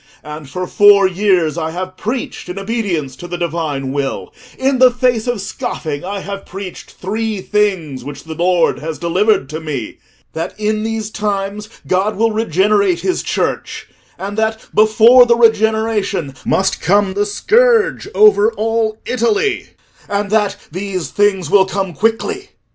And for four years I have preached in obedience to the Divine will: in the face of scoffing I have preached three things, which the Lord has delivered to me: that in these times God will regenerate his Church, and that before the regeneration must come the scourge over all Italy, and that these things will come quickly.